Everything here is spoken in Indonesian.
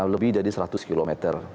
lebih dari seratus km